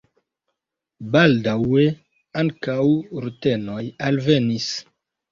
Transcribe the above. Baldaŭe ankaŭ rutenoj alvenis.